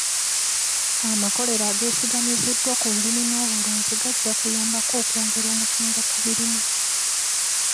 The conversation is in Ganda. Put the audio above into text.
Amakolero ageesigamiziddwa ku bulimi n'obulunzi gajja kuyambako okwongera omutindo ku birime.